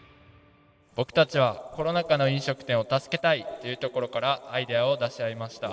僕たちはコロナ禍の飲食店を助けたいというところからアイデアを出し合いました。